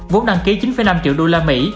vốn đăng ký đạt chín triệu usd